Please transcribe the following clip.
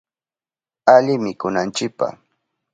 Ali mikunanchipa.